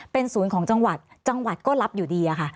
เป็นศูนย์ของจังหวัดจังหวัดก็รับอยู่ดีอะค่ะ